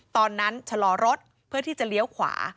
ตอนนั้นชะลอรถเพื่อที่จะเลี้ยวขวา